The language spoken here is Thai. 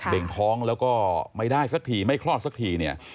่งท้องแล้วก็ไม่ได้สักทีไม่คลอดสักทีเนี่ย